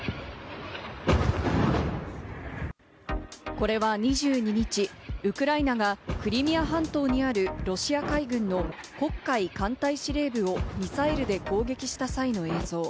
これは２２日、ウクライナがクリミア半島にあるロシア海軍の黒海艦隊司令部をミサイルで攻撃した際の映像。